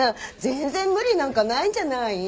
全然無理なんかないんじゃない？